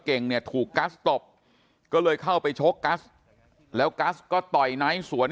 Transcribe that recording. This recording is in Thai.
เก่งเนี่ยถูกกัสตบก็เลยเข้าไปชกกัสแล้วกัสก็ต่อยไนท์สวน